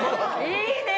いいね。